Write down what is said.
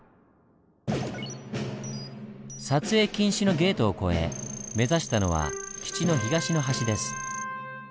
撮影禁止のゲートを越え目指したのは基地の東の端です。